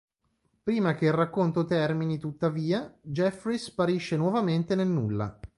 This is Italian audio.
Prima che il racconto termini tuttavia, Jeffries sparisce nuovamente nel nulla.